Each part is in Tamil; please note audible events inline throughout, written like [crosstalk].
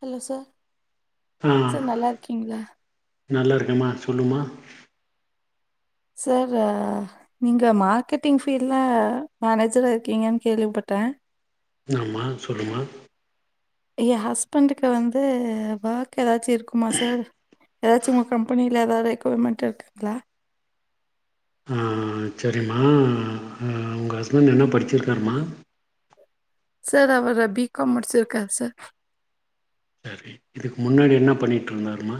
ஹலோ சார் சார் நல்லா இருக்கீங்களா நல்லாயிருக்கேம்மா சொல்லுமா சார் நீங்க மார்க்கெட்டிங் ஃபீல்ட்ல மேனேஜரா இருக்கீங்கன்னு கேள்விப்பட்டேன் ஆமா சொல்லுமா என் ஹஸ்பண்டுக்கு வந்து ஒர்க் எதாச்சும் இருக்குமா சார் எதாச்சும் உங்க கம்பெனில ஏதாவது ரெக்குயர்மெண்ட் இருக்குங்களா உம்ம் சேரிம்மா உங்க ஹஸ்பண்ட் என்ன படிச்சிருக்காருமா சார் அவர பி காம் முடிச்சு இருக்காார் சார் சேரி இதுக்கு முன்னாடி என்ன பண்ணிட்டு இருந்தாருமா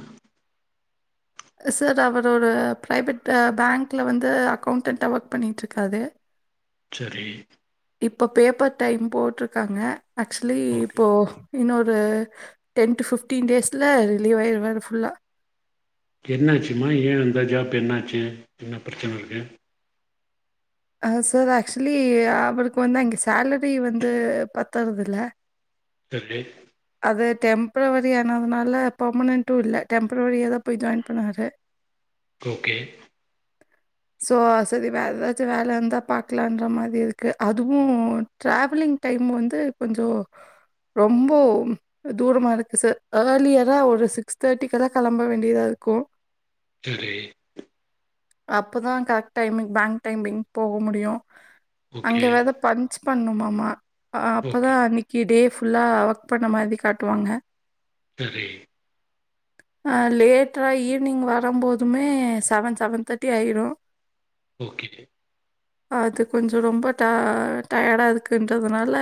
சார் அவரோ ஒரு பிரைவேட் பேங்க்ல வந்து அக்கௌண்ட்டா ஒர்க் பண்ணிட்டு இருக்காரு சேரி இப்போ பேப்பர் டைம் போட்டருக்காங்க ஆக்சுவலி ஓகே இப்போ இன்னொரு டென் பிப்டீன் டேஸ்ல ரிலீவ் ஆயிருவார் புல்லா என்னாச்சுமா ஏன் வந்த ஜாப் என்னாச்சு என்ன பிரச்சன இருக்கு சார் ஆக்சுவலி அவருக்கு வந்து அங்கே சேலரி வந்து பத்துறதுல சேரி அது டெம்பப்ரவரி ஆனதுனால பர்மனன்டும் இல்ல டெப்ரவரியாகதான் போய் ஜாயின் பண்ணுவாரு ஓகே சோ சரி வே ஏதாச்சும் வேல இருந்தா பாக்கலன்ற மாரி இருக்கு அதுவும் டிராவலிங் டைம் வந்து கொஞ்சம் ரொம்ப தூரமா இருக்கு சார் இர்லியரா ஒரு சிக்ஸ் தேர்ட்டிக்கல்லாம் கிளம்ப வேண்டியதா இருக்கும் சேரி அப்பதான் கரெக்ட் டைமுங் பேங்க் டைமிங் போக முடியும் ஓகே அங்கே வத பஞ்ச பண்ணுமாமா ஆஹ் ஓகே அப்பதான் அன்னைக்கி டே ஃபுல்லா அவ பண்ண மாதிரி காட்டுவாங்க சேரி அஹ்லேட் ஈவினிங் வரம்போது எதுமே செவன் செவன் தேர்ட்டி ஆயிரும் ஓகே அது கொஞ்சம் ரொம்ப டயடா இருக்குன்றதுனால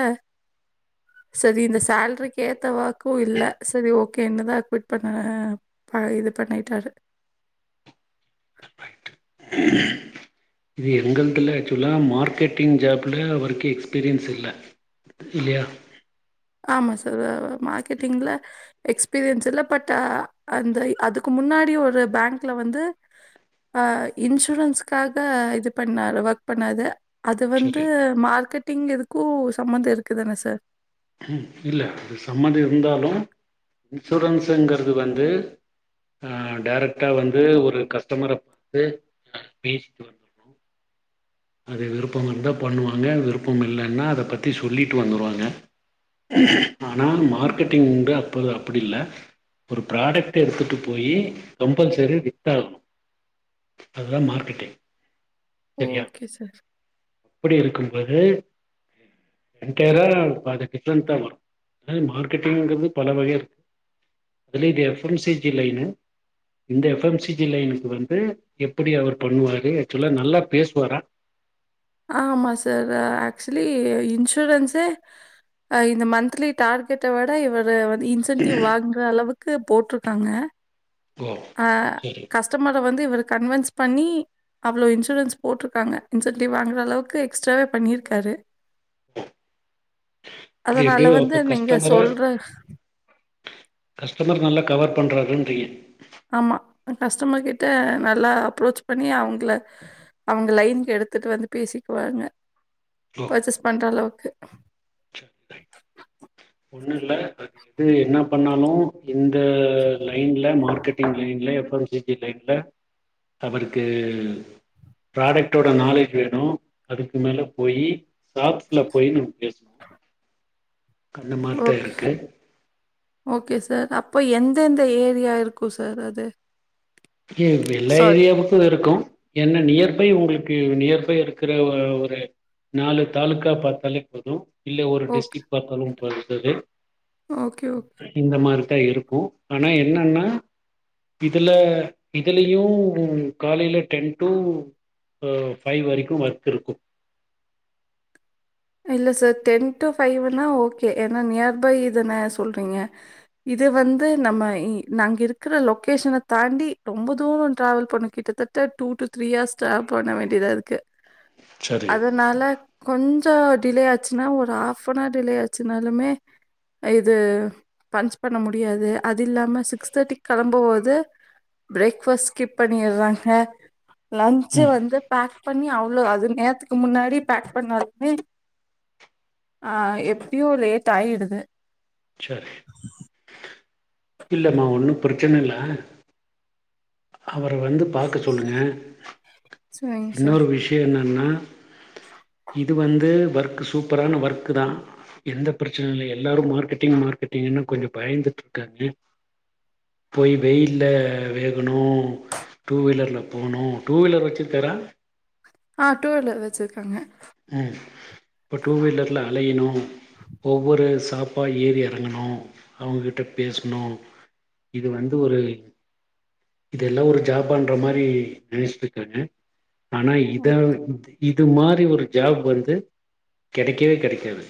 சேரி இந்த சேலரி கேத்த வா இல்ல சேரி ஓகே ஓகே தான் குட் பண்ண இது பண்ணிட்டாரு இது எங்கதுல ஆக்சுவலா மார்க்கெட்டிங் ஜாப்ல எக்ஸ்பீரியன்ஸ் இல்ல இல்லாயா ஆமா சார் மார்க்கெட்டிங்ல எக்ஸ்பீரியன்ஸ் இல்ல பட் அந்த அதுக்கு முன்னாடி ஒரு பேங்க்ல வந்து அஹ இன்சூரன்ஸ்க்காக இது பண்ணாரு ஒர்க் பண்ணாது அது வந்து சரி மார்க்கெட்டிங் எதுக் கூ சம்பந்தம் இருக்குதானே சார் ம் இல்லை அது சம்மந்தம் இருந்தாலும் இன்சூரன்ஸ்ங்கிறது வந்து டேரேக்டா வந்து ஒரு கஸ்டமர பார்த்து பேசிட்டு வரனும் அது விருப்பம் இருந்தா பண்ணுவாங்க விருப்பம் இல்லைன்னா அத பத்தி சொல்லிட்டு வந்துருவாங்க ஆனா மார்க்கெட்டிங் உண்டு அப்பது அப்படி இல்ல ஒரு ப்ராடக்ட் எடுத்துட்டு போய் கம்பல்சரி வித்தும் ஆகனும் அதுதான் மார்க்கெட்டிங் சரியா ஓகே சார் அப்படி இருக்கும்பது‌என்டையர் த வரும் மார்க்கெட்டிங்கிறது பல வகை இருக்கு அதுலய இது எப்எம்சிஜி லைனு இந்த எப்எம்சிஜி லைனுக்கு வந்து எப்படி அவர் பண்ணுவாரு ஆக்சுவலா நல்லா பேசுவாரா ஆ ஆமா சார் ஆக்சுவலி இன்சூரன்ஸ்இந்த மந்த்லி டார்கெட்ட விட இவ வந்து இன்சன்டிவ் வாங்குற அளவுக்கு இது போட்டிருக்காங்க ஓ அஹ சரி கஷ்டமர் வந்து இவர் கன்வஸ் பண்ணி அவ்வளவு இன்சூரன்ஸ் போட்ருக்காங்க இன்சென்டிவ்வு வாங்கற அளவுக்கு எக்ஸ்ட்ரா பண்ணிருக்காரு அதனால எப்படியோ வந்து நீங்க கஸ்டமர சொல்ற கஸ்டமர் நல்லா கவர் பண்றார்ருங்கிக ஏன் ஆமா கஸ்டமர் கிட்ட நல்லா அப்ரோச் பண்ணி அவங்கள அவங்க லைனுக்கு எடுத்துட்டு வந்து பேசிக்குவாங்க ஓ பர்ச்சேஸ் பண்ற அளவுக்கு சரி ரைட் ஒண்ணு இல்ல அது எது என்ன பண்ணாலும் இந்த லைன்ல மார்க்கெட்டிங் லைன்ல எப்ப லைன்ல அவருக்கு ப்ராடக்ட் நாலேஜ் வேணும் அதுக்கு மேல போய் சாஸ்ல போயி நம பேசணும் அந்த மாரி தான் ஓகே. இருக்கு ஓகே சார் அப்போ எந்தெந்த ஏரியா இருக்கும் சார் அது ஏ வெல்லா சாரி. ஏரியாவுக்கும் இருக்கும் என்ன நியர் ப் உங்களுக்கு நியர்ஃபை இருக்கிற ஒரு நாலு தாலுக்கா பாத்தாலே போதும் இல்லை ஒரு ஓகே. டிஸ்ட்ரிக்ட் பாத்தாலும் ஓகே, ஓகே. [unintelligible] இந்த மாரி இருக்கும் ஆனா என்னன்னா இதுல இதுலயும் காலையில டென்டு அஹ் ஃபைவ் வரைக்கும் ஒர்க் இருக்கும் இல்ல சார் டென் டு ஃபைவ்ன்னா ஓகே ஏன்னா நியர்பை இதன சொல்றீங்க இது வந்து நம்ம நாங்க இருக்கிற லொக்கேஷனை தாண்டி ரொம்ப தூரம் டிரவால் பண்ண கிட்டத்தட்ட two to three hours travel பண்ண வேண்டியதா இருக்கு சரி அதனால கொஞ்சம் கொஞ்சம் டிலே ஆச்சுன்னா ஒரு ஹாஃப் அவர் டிலே ஆச்சுனாலுமே இது பன்ச் பண்ண முடியாது அது இல்லாம சிக்ஸ் தேர்ட்டி கிளம்பும் போது பிரேக்ஃபஸ்ட் ஸ்கிப் பண்ணிறாங்க லன்சு ம் வந்து பேக் பண்ணி அவ்ளோ அது நேரத்துக்கு முன்னாடி பேக் பண்ண ஆஹா எப்டியோ லேட் ஆகிடுது சரி இல்லமா ஒன்னும் பிரச்சனை இல்ல அவரை வந்து பாக்க சொல்லுங்க சரிங்க சார். இன்னொரு விஷயன்ன இது வந்து ஒர்க் சூப்பரான ஒர்க் தான் எந்த பிரச்சன இல்ல எல்லாரும் மார்கெட்டிங் மார்கெட்டிங்னு கொஞ்சம்பயந்துட்டு இருக்காங்க போய் வெயில்ல ம் டூ வீலர்ல போகணும் டூ வீலர் வச்சுருக்காரா ஆஹ் டூவிலர் வச்சிருக்காங்க உம் இப்ப டூவீலர்ல அலையணும் ஒவ்வொரு சாப்பா ஏறி இறங்கணும் அவுங்கிட்ட பேசணும் இது வந்து ஒரு இது எல்லா ஒரு ஜாபான்ற மாரி நினைச்சிட்ருக்காங்க ஆனா இதான் இது மாறி ஒரு ஜாப் வந்து கிடைக்கவே கிடைக்காது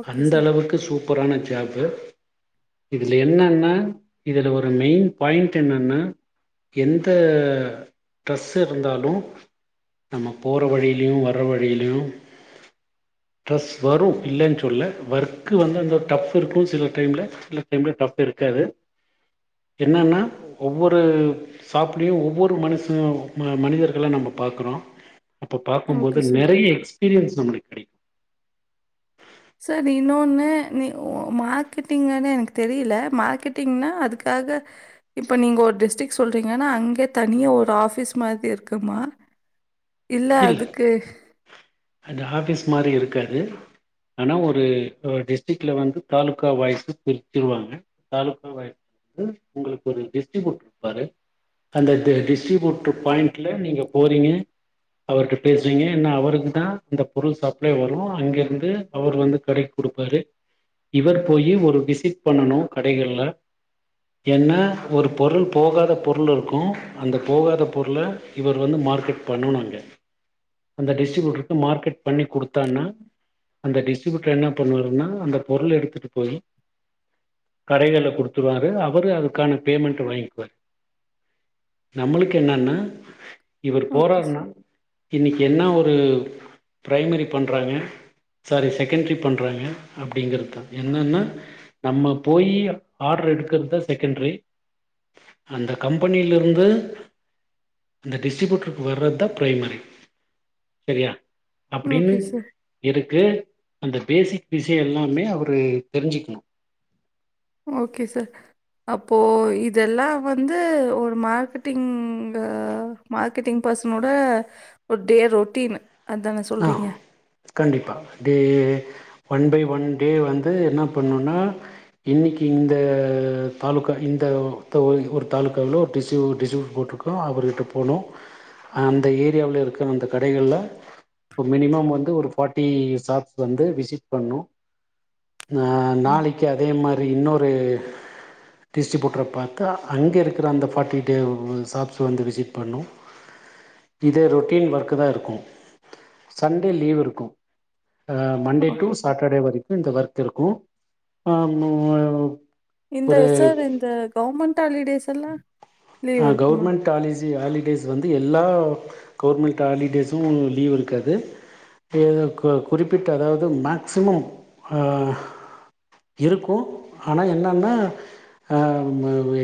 ஓகே அந்த சார் அளவுக்கு சூப்ப ரான ஜாப் இதுல என்னன்ன இதுல ஒரு மெயின் பாய்ண்ட் என்னன்னா எந்த டிரெஸ் இருந்தாலும் நம்ம போற வழியிலும் வர வழியிலும் டிரஸ் வரும் இ சொல்ல ஒர்க்கு வந்து அந்த டஃப் இருக்கும் சில டைம்ல சில டைம்ல டஃப் இருக்காது என்னன்னா ஒவ்வொரு சாப்பிடையும் ஒவ்வொரு மனு மனிதர்கள்ளாம் நம்ம பாக்குறோம் அப்ப பாக்கும்போது ஓகே சார் நெறைய எக்ஸ்பீரியன்ஸ் நம்மளுக்கு கிடைக்கும் சார் இன்னொன்னு நீ மார்க்கெட்டிங்கன்னு எனக்கு தெரியல மார்க்கெட்டிங்னா அதுக்காக இப்போ நீங்கள் ஒரு டிஸ்ட்ரிக் சொல்றீங்கன்னா அங்கே தனியாக ஒரு ஆஃபீஸ் மாரி இருக்குமா இல்லை இல்ல அதுக்கு அந்த ஆபிஸ் மாரி இருக்காது ஆனா ஒரு டிஸ்ரிக்ல வந்து தாலுகா வாய்ஸ் பிரிச்சிருவாங்க தாலுகா வாய்ஸ் வந்து உங்களுக்கு ஒரு டிஸ்டிக்பி இருப்பாரு அந்த டிஸ்ட்ரிபியூட்ர் பாயிண்ட்ல நீங்க போறீங்க அவர்கிட்ட பேசுவீங்க ஏன்னா அவருக்கு தான் இந்த பொருள் சப்ளை வரும் அங்கேருந்து அவர் வந்து கடைக்கு குடுப்பாரு இவர் போய் ஒரு விசிட் பண்ணணும் கடைகள்ல ஏன்னா ஒரு பொருள் போகாத பொருள் இருக்கும் அந்த போகாத பொருளை இவர் வந்து மார்க்கெட் பண்ணும் நாங்க அந்த டிஸ்டரிபியூட்டருக்கு மார்க்கெட் பண்ணி குடுத்தான்னா அந்த டிஸ்ரிபியூட்டர் என்ன பண்ணுவாருன்னா அந்த பொருள் எடுத்துட்டு போய் கடைகள்ல குடுத்துருவாரு அவரு அதுக்கான பேமெண்ட் வாங்கிக்குவாரு நம்மளுக்கு என்னன்னா இவர் ஓகே சார் போறாருனா இன்னைக்கி என்ன ஒரு ப்ரைமரி பண்ணுறாங்க சாரி செகண்ட்ரி பண்றாங்க அப்டிங்கிறது தான் என்னன்னா நம்ம போய் ஆர்டரு எடுக்கிறது தான் செகண்ட்ரி அந்த கம்பெனிலருந்து அந்த டிஸ்ட்ரிபியூட்டருக்கு வர்றது தான் ப்ரைமரி சரியா அப்டின்னு ஓகே சார் இருக்கு அந்த பேசிக் விஷ்யொ எல்லாமே அவரு தெரிஞ்சிக்கணு ஓகே சார் அப்போ இதெல்லா வந்து ஒரு மார்க்கெட்டிங் மார்க்கெட்டிங் பர்சனோட ஒரு டே ரொட்டீன் அதானே ஆ சொல்கிறீங்க கண்டிப்பா day one by one day வந்து என்ன பண்ணுன்னா இன்னைக்கி இந்த தாலுக்கா இந்த தொ ஒரு தாலுக்காவ்ல ஒரு டிஸு டிஸ்ட்ரிபியூட் போட்ருக்கோ அவர்கிட்ட போனு அந்த ஏரியாவுல இருக்க அந்த கடைகள்ல இப்ப மினிமம் வந்து ஒரு ஃபார்ட்டி ஷாப்ஸ் வந்து விசிட் பண்ணு ம். நாளைக்கு அதே மாரி இன்னொரு டிஸ்ட்ரிபியூட்ர பாத்து அங்கே இருக்கிற அந்த ஃபார்ட்டி ட ஷாப்ஸ் வந்து விசிட் பண்ணும் இதே ரொட்டீன் ஒர்க்கு தா இருக்கு சண்டே லீவ் இருக்கு ஆ மண்டே டூ ஓகே சாட்டடே வரை இந்த ஒர்க் இருக்கு ஆ இந்த ஒரு சார் இந்த கவர்மெண்ட் டு ஹாலிடேஸ் எல்லா அ கவர்மெண்ட் ஹாலிஸ் ஹாலிடேஸ் வந்து எல்லா கவர்மெண்ட் ஹாலிடேசு லீவ் இருக்காது அ க குறிப்பிட்ட அதாவ்து மேக்சிமம் அ இருக்கு ஆனா என்னன்னா ஆ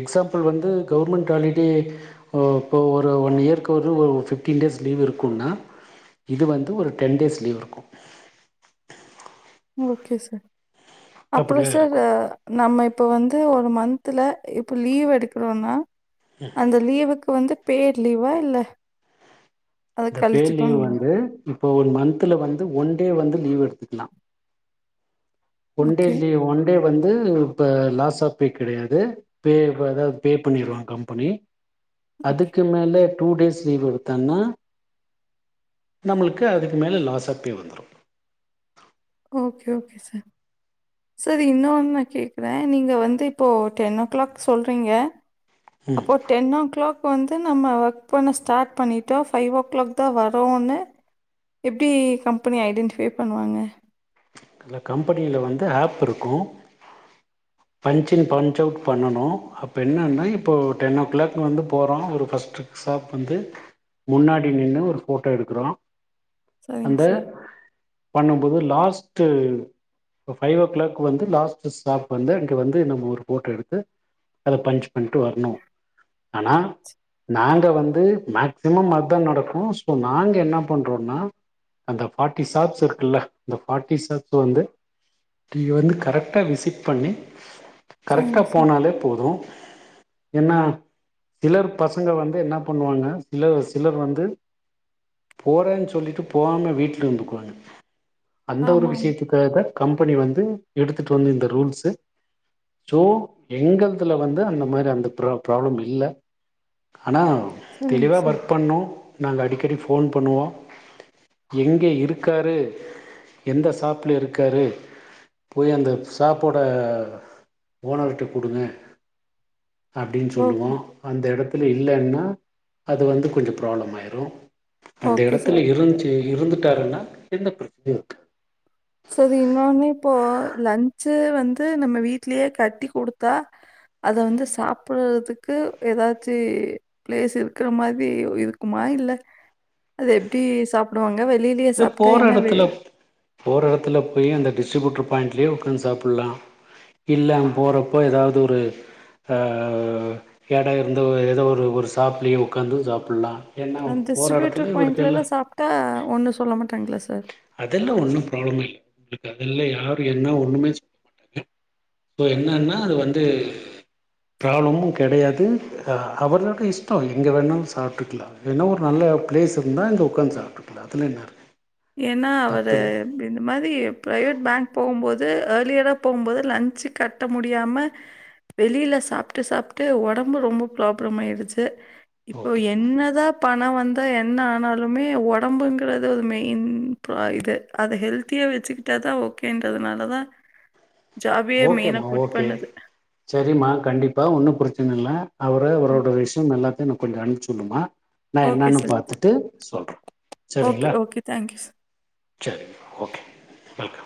எக்ஸாம்பிள் வந்து கவர்மெண்ட் ஹாலிடே இப்ப ஒரு ஒன் இயர்க்கு ஒரு ஃபிஃப்டீன் டேஸ் லீவ் இருக்குன்னா இது வந்து ஒரு டென் டேஸ் லீவ் இருக்கு ஓகே சார் அப்படிதா அப்றோசார் இருக்கு நம்ம இப்ப வந்து ஒரு மன்த் த்துல இப்பொ லீவ் எடுக்குறோனா அந்த லீவுக்கு வந்து பேட் லீவா இல்ல அத இந்த பேட் லீவ் கழிச்சுப்பாங்களா? வந்து இப்போ ஒரு மன்த்துல வந்து ஒன் டே வந்து லீவ் எடுத்துக்லா one day okay, leave one day வந்து இப்ப லாஸாஃப் பே கிடையாது பே வது பே பண்ணிருவாங்க கம்பெனி ஓகே. அதுக்கு மேல டூ டேஸ் லீவ் எடுத்தானா நமுலுக்கு அதுக்கு மேல லாசாப்பே வந்துரு ஓகே ஓகே சார் சார் இன்னான்னு கேக்குறே நீங்க வந்து இப்போ டென் ஓ க்ளாக் சொல்றீங்க அப்போ டென் ஓ க்ளாக் இப்போ வந்து நம்ம ஒர்க் பண்ண ஸ்டார்ட் பண்ணிட்டோ ஃபைவ் ஓ க்ளாக் தா வரோனு எப்டி கம்பெனி ஐடென்டிஃபை பண்ணுவாங்க இல்ல கம்பெனில வந்து ஆப் இருக்கு பன்ச்சின் பன்ச்அவுட் பண்ணணு அப்போ என்னன்னா இப்போ டென் ஓ க்ளாக் வந்து போறோ ஒரு ஃபர்ஸ்ட் ஷாப் வந்து முன்னாடி நின்னு ஒரு ஃபோட்டோ எடுக்குறோ சரிங்க அந்த சார். பணம் புது லாஸ் டு‌ ப ஃபை ஓ க்ளாக் வந்து லாஸ்ட்டு ஸ்டாஃப் வந்து அங்க வந்து நம்ம ஒரு ஃபோட்டோ எடுத்து அத பன்ச் பண்ணிட்டு வர்ணு ஆனா நாங்க வந்து மேக்சிமம் அதா நடக்கு சோ நாங்க என்ன பண்றோன்னா அந்த ஃபாட்டி சாக்ஸ் இருக்குல்ல ஃபார்ட்டிசார்ஸ் வந்து நீ வந்து கரெக்டா விசிட் பண்ணி கரெக்டா சரிங்க சார். போனாலே போது என்னா சிலர் பசங்க வந்து என்ன பண்ணுவாங்க சிலர் சிலர் வந்து போறேன் சொல்லிட்டு போகாம வீட்ல இருந்துக்குவாங்க அந்த ஒரு ஆமா, ஆமா. விஷயத்துக்காக கம்பெனி வந்து எடுத்துட்டு வந்து இந்த ரூல்ஸு ஸோ எங்கள்துல வந்து அந்த மாரி அந்த பிரா பிராப்ளம் இல்லை ஆனா சரிங்க தெளிவா சார். ஒர்க் பண்ணா நாங்க அடிக்கடி ஃபோன் பண்ணுவோம் எங்க இருக்காரு எந்த ஷாப்ல இருக்காரு போய் அந்த ஷாப்போட ஓனர்கிட்ட குடுங்க அப்படின்னு ஓகே, சொல்லுவோம் அந்த எடத்து ல இல்லனா அது வந்து கொஞ்சம் பிராப்பளம் ஆயிரும் அந்த ஓகே சார். எடத்துல இருந்சி இருந்துட்டாருன்னா எந்த பிரச்சனையும் இல்ல சரி இன்னொன்னு இப்போ லன்ச்சு வந்து நம்ம வீட்டுலயே கட்டி கொடுத்தா அத வந்து சாப்பிடுறதுக்கு ஏதாச்சி பிளேஸ் இருக்குற மாதிரி இருக்குமா இல்ல அத எப்டி சாப்பிடுவாங்க வெளியிலயே இது சாப்பிட்டா போற என்ன வே இடத்துல போற இடத்துல போயி அந்த டிஸ்ட்ரிபுட்டர் பாயிண்ட்லேயே உகாந்து சாப்பிலாம் இல்ல அங்க போறப்போ ஏதாவது ஒரு ஹ ஹ எடம் இருந்தா ஏதோ ஒரு ஒரு சாப்லேய உட்காந்தும் சாப்பிட்லாம் அந்த சுவீட்டு பாயிண்ட்லால சாப்பிட்டா ஒண்ணும் சொல்ல மா அதெல்லாம் ஒண்ணும் பிராப்ளமேயில்ல உங்களுக்கு அதல்லாம் யாரும் என்ன ஒண்ணுமே சொல்ல மாட்டாங்க இப்ப என்னன்னா அது வந்து பிராப்ளமும் கிடையாது ஆஹா அவர்களுக்கும் இஷ்டம் எங்க வேணாலும் சாப்பிட்டுகளாம் ஏன்னா ஒரு நல்ல பிளேஸ்யிருந்தா உட்காந்து சாப்பிட்டுகளாம் அதலாம் என்னை இருக்கு ஏனா அவுரு தப்பில்ல இந்த இந்த மாரி பிரைவேட் பேங்க் போகும்போது எர்லியிர்ரா போ போது லஞ்சு கட்ட முடியாம வெளியில சாப்ட்டு சாப்ட்டு ஒடம்பு ரொம்ப பிராப்ளம் ஆயிடுச்சு இப்போ ஓகே என்ன தான் பணம் வந் தே என்ன ஆனாலுமே ஒடம்புங்கிறது ஒரு மே இந் தொய்து அதே அதஹெல்த்தியா வச்சுக்கிட்டாதான் ஓக்கேயின்றதுனாலதான் ஓகேமா ஓகே செரிம்மா கண்டிப்பா ஒன்னும் பிரச்சனை இல்ல அவுரு அவர்ரோட விஷயம் எல்லாத்தையும் கொஞ்சம் அம்சியுடுமா நான் ஓகே என்னன்னு சார் பாத்துட்டு சொல்றேன் ஓகே செரிங்களா ஓகே தேங்க்யூ செரிங்க ஓகே வெல்கம்